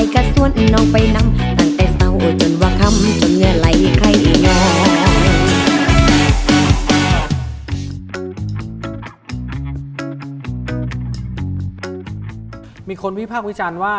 การแสดงลูกทุ่งแบบอย่างนี้